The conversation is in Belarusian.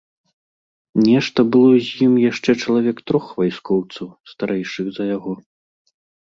Нешта было з ім яшчэ чалавек трох вайскоўцаў, старэйшых за яго.